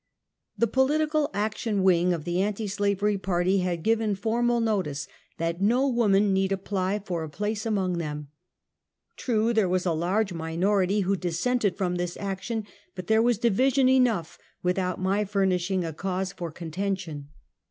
The political action wing of the anti slavery party had given formal notice that no woman need apply for a place among them. True, there was a large minority who dissented from this action, but there was division enough, without my furnishing a cause for contention.